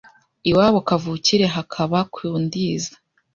iwabo kavukire hakaba ku Ndiza.